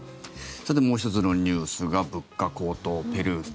もう１つのニュースが物価高騰、ペルー。